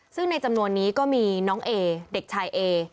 ซึ่งในจำนวนนี้ก็มีน้องเอเด็กชายเอ